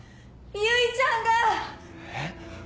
結ちゃんが！えっ？